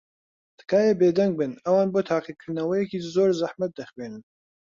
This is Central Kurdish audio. تکایە بێدەنگ بن. ئەوان بۆ تاقیکردنەوەیەکی زۆر زەحمەت دەخوێنن.